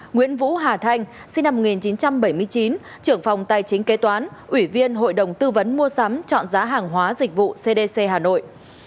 nguyễn vũ hà thanh sinh năm một nghìn chín trăm bảy mươi chín trưởng phòng tài chính kế toán ủy viên hội đồng tư vấn mua sắm chọn giá hàng hóa dịch vụ cdc hà nội